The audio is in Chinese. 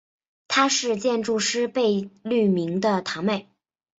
她是建筑师贝聿铭的堂妹。